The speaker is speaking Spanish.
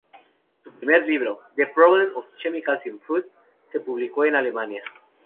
Su primer libro: "The Problem of Chemicals in Food", se publicó en Alemania.